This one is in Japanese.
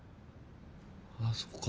あそっか。